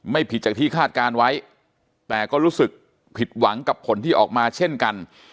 ผิดจากที่คาดการณ์ไว้แต่ก็รู้สึกผิดหวังกับผลที่ออกมาเช่นกัน